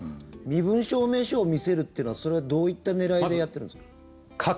身分証明書を見せるっていうのはそれはどういった狙いでやってるんですか？